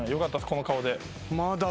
この顔で。